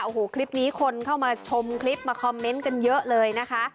โอ้โหคลิปนี้คนเข้ามาชมคลิปมาคอมเมนต์กันเยอะเลยนะคะ